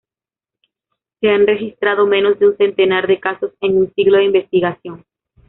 Se han registrado menos de un centenar de casos en un siglo de investigación.